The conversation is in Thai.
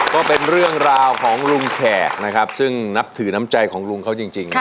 ก็เป็นเรื่องราวของลุงแขกนะครับซึ่งนับถือน้ำใจของลุงเขาจริง